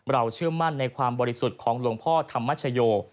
เชื่อมั่นในความบริสุทธิ์ของหลวงพ่อธรรมชโย